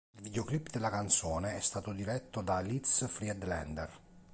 Il videoclip della canzone è stato diretto da Liz Friedlander.